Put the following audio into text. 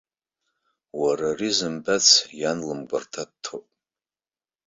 Уара ари зымбац иан лымгәарҭа дҭоуп!